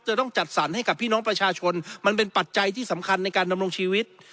จะต้องจัดสรรให้กับพี่น้องประชาชนมันเป็นปัจจัยที่สำคัญในการดำรงชีวิต